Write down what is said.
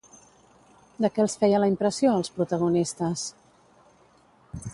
De què els feia la impressió, als protagonistes?